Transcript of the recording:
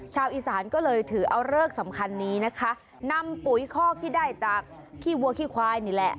ชาวอีสานก็เลยถือเอาเลิกสำคัญนี้นะคะนำปุ๋ยคอกที่ได้จากขี้วัวขี้ควายนี่แหละ